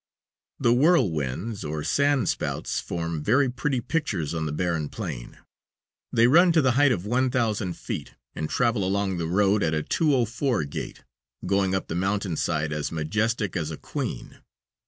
The whirlwinds, or sand spouts, form very pretty pictures on the barren plain. They run to the height of one thousand feet, and travel along the road at a 2:04 gait, going up the mountain side as majestic as a queen.